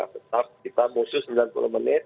tetap kita musuh sembilan puluh menit